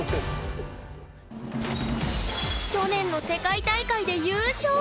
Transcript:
去年の世界大会で優勝！